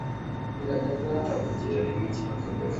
kutavugira rimwe ikibazo bafite